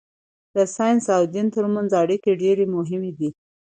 د ساینس او دین ترمنځ اړیکه ډېره مهمه ده.